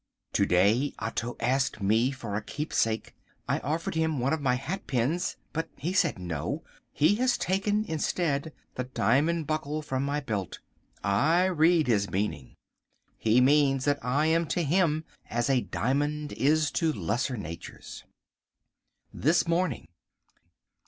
To day Otto asked me for a keepsake. I offered him one of my hatpins. But he said no. He has taken instead the diamond buckle from my belt. I read his meaning. He means that I am to him as a diamond is to lesser natures. This Morning.